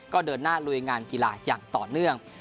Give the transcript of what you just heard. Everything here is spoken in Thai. ก็เดินหน้าลุยงานกีฬาอย่างต่อเนื่อง